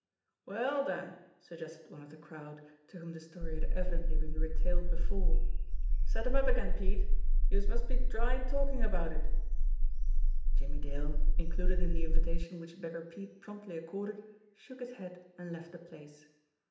"Well, den," suggested one of the crowd to whom the story had evidently been retailed before, "set 'em up again, Pete youse must be dry talkin' about it." Jimmie Dale, included in the invitation which Beggar Pete promptly accorded, shook his head and left the place.